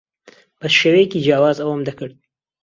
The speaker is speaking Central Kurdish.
بە شێوەیەکی جیاواز ئەوەم دەکرد.